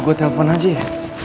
gue telpon aja ya